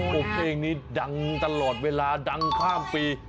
โอ้โหเพลงนี้ดังตลอดเวลาดังข้ามปี